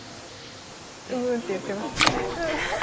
「うん」って言ってますね。